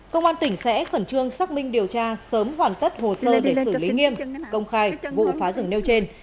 công an tỉnh sẽ khẩn trương xác minh điều tra sớm hoàn tất hồ sơ để xử lý nghiêm công khai vụ phá rừng nêu trên